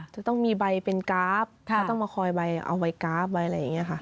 จะต้องมีใบเป็นกราฟจะต้องมาคอยใบเอาใบกราฟไว้อะไรอย่างนี้ค่ะ